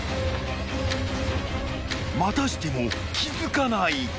［またしても気付かない］